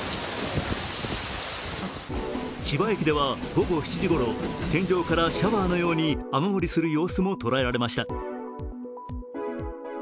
千葉駅では午後７時ごろ天井からシャワーのように雨漏りする様子も捉えられました。